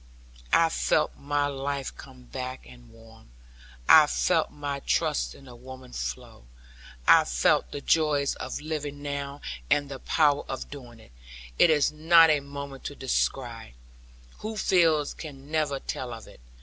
I felt my life come back, and warm; I felt my trust in women flow; I felt the joys of living now, and the power of doing it. It is not a moment to describe; who feels can never tell of it.